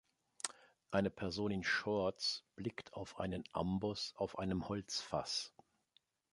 Eine Person in Shorts blickt auf einen Amboss auf einem Holzfass.